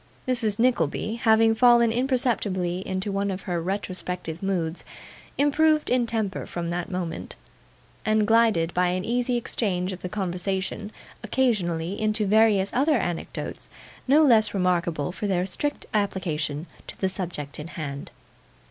Mrs. Nickleby having fallen imperceptibly into one of her retrospective moods, improved in temper from that moment, and glided, by an easy change of the conversation occasionally, into various other anecdotes, no less remarkable for their strict application to the subject in hand.